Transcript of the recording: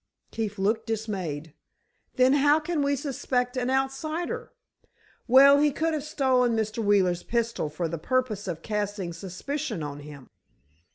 Keefe looked dismayed. "Then how can we suspect an outsider?" "Well, he could have stolen Mr. Wheeler's pistol for the purpose of casting suspicion on him."